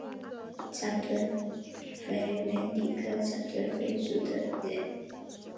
长臀鲃为鲤科长臀鲃属的鱼类。